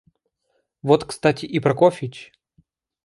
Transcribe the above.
Вот кстати и Прокофьич.